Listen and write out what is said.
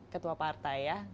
ketua partai ya